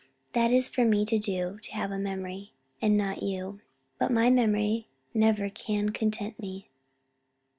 That is for me to do to have a memory, and not you. But my memory never can content me.